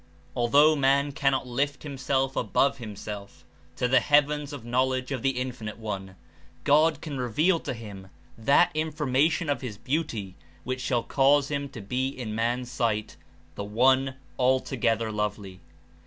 Although man cannot lift himself above him self to the heavens of knowledge of the Infinite One, God can reveal to him that Information of his beauty which shall cause him to be in man's sight "The One altogether lovely."